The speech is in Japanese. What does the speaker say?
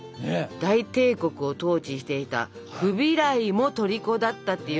大帝国を統治していたフビライもとりこだったっていうわけだから。